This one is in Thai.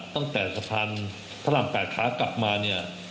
ตั้งแต่สะพานพระราม๘ขากลับมาเนี่ย